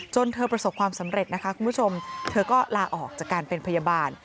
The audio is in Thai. เธอประสบความสำเร็จนะคะคุณผู้ชมเธอก็ลาออกจากการเป็นพยาบาล